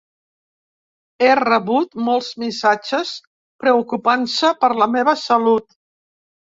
He rebut molts missatges preocupant-se per la meva salut.